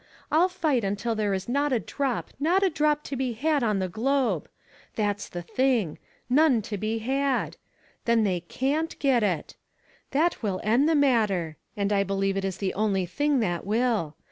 I'll fight until there is not a drop, not a drop to be had on the globe ! That's the thing. None to be had. Then they can't get it. That will end the matter. And I believe it is the only thing that will.